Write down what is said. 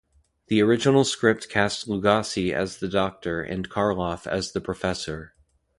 The original script cast Lugosi as the doctor and Karloff as the professor.